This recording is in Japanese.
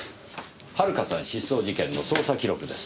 遥さん失踪事件の捜査記録です。